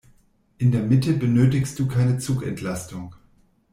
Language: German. In der Mitte benötigst du keine Zugentlastung.